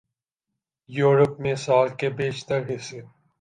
Europe میں سال کے بیشتر حصے